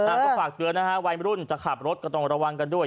ก็ฝากเตือนนะฮะวัยมรุ่นจะขับรถก็ต้องระวังกันด้วย